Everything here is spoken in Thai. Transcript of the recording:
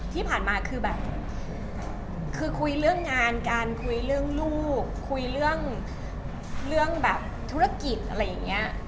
ที่ผ่านมาคือแบบคือคุยเรื่องงานการคุยเรื่องลูกคุยเรื่องแบบธุรกิจอะไรอย่างนี้